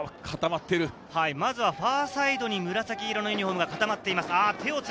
ファーサイドに紫色のユニホームが固まっています。